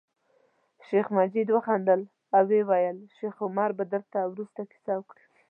شیخ مجید وخندل او ویل یې شیخ عمر به درته وروسته کیسه وکړي.